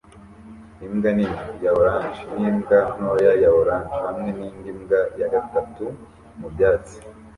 Imbwa nini ya orange n'imbwa ntoya ya orange hamwe n'indi mbwa ya gatatu mu byatsi